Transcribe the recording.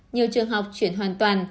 nhiều trường học chuyển hoàn toàn